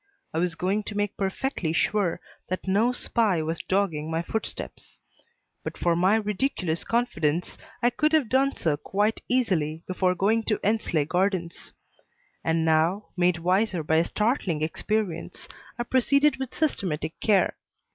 I was going to make perfectly sure that no spy was dogging my footsteps. But for my ridiculous confidence I could have done so quite easily before going to Endsley Gardens; and now, made wiser by a startling experience, I proceeded with systematic care.